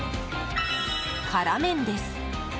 辛麺です。